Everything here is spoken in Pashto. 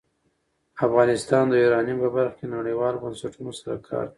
افغانستان د یورانیم په برخه کې نړیوالو بنسټونو سره کار کوي.